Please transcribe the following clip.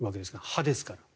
歯ですから。